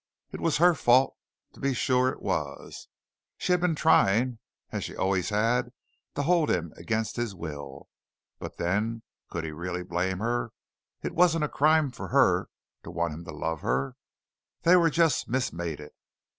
It was her fault, to be sure it was. She had been trying as she always had to hold him against his will, but then could he really blame her? It wasn't a crime for her to want him to love her. They were just mis mated.